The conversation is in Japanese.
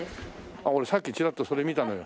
あっ俺さっきちらっとそれ見たのよ。